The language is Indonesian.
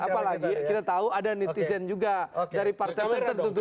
apalagi kita tahu ada netizen juga dari partai tertentu